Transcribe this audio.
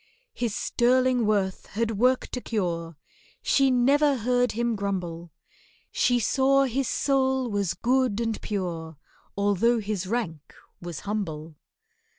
His sterling worth had worked a cure, She never heard him grumble; She saw his soul was good and pure, Although his rank was humble.